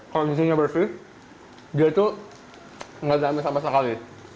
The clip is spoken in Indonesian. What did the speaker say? kalo di sini bersih dia tuh gak ada aneh sama sekali